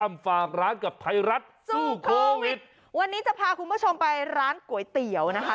ฝากร้านกับไทยรัฐสู้โควิดวันนี้จะพาคุณผู้ชมไปร้านก๋วยเตี๋ยวนะคะ